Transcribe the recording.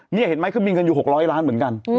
นี่เห็นไหมคือมีเงินอยู่๖๐๐ล้านเหมือนกัน